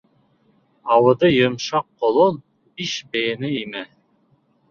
Ауыҙы йомшаҡ ҡолон биш бейәне имә.